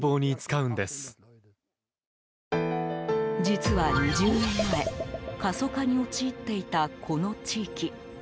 実は２０年前過疎化に陥っていたこの地域。